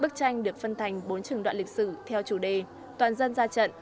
bức tranh được phân thành bốn trường đoạn lịch sử theo chủ đề toàn dân ra trận